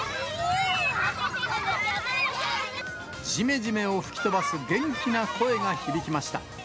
じめじめを吹き飛ばす元気な声が響きました。